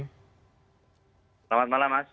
selamat malam mas